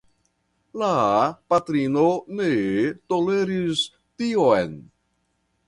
La patrino ne toleris tion.